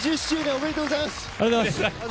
ありがとうございます。